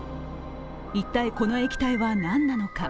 一体、この液体は何なのか？